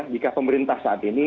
jika pemerintah saat ini